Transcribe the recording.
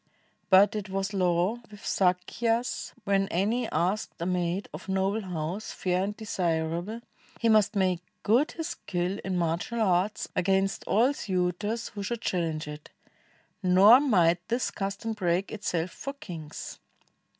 But it was law With Sakyas, w^hen any asked a maid Of noble house, fair and desirable, He must make good his skill in martial arts Against all suitors who should challenge it; Nor might this custom break itself for kings.